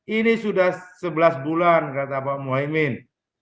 ini sudah sebelas bulan kata pak muhaymin